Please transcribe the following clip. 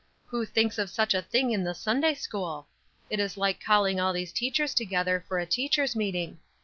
Who thinks of such a thing in the Sunday school? It is like calling all these teachers together for a teachers' meeting.